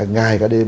ngày cả đêm